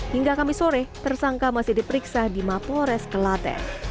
hingga kamis sore tersangka masih diperiksa di mapolres kelaten